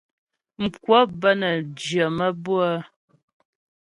Mkwəp bə́ nə́ jyə̀ maə́bʉə́'ə.